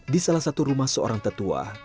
di salah satu rumah seorang tetua